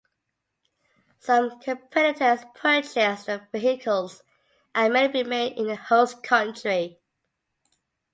Some competitors purchased their vehicles and many remained in the host country.